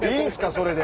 それで。